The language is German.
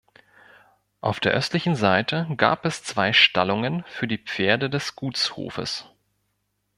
Auf der östlichen Seite gab es zwei Stallungen für die Pferde des Gutshofes.